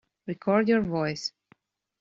Record your voice.